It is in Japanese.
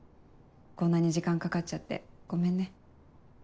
こんなに時間かかっちゃってごめんね。